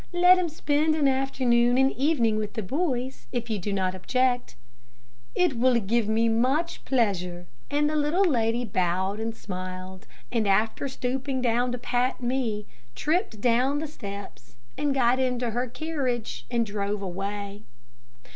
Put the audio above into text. Let him spend an afternoon and evening with the boys, if you do not object." "It will give me much pleasure," and the little lady bowed and smiled, and after stooping down to pat me, tripped down the steps, and got into her carriage and drove away.